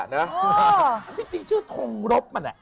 ที่จริงชื่อทงรบมัน